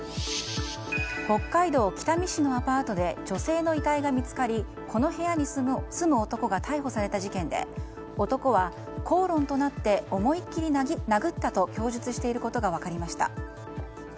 北海道北見市のアパートで女性の遺体が見つかりこの部屋に住む男が逮捕された事件で男は口論となって思いきり殴ったと供述していることが分かりました。